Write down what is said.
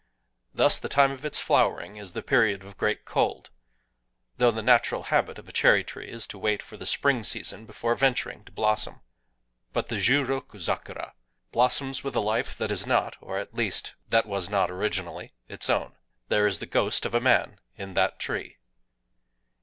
Thus the time of its flowering is the Period of Great Cold,—though the natural habit of a cherry tree is to wait for the spring season before venturing to blossom. But the Jiu roku zakura blossoms with a life that is not—or, at least, that was not originally—its own. There is the ghost of a man in that tree.